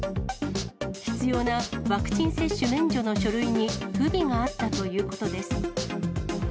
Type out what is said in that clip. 必要なワクチン接種免除の書類に不備があったということです。